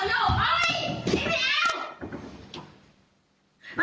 อ๊าวชิบแนว